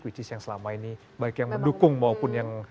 which is yang selama ini baik yang mendukung maupun yang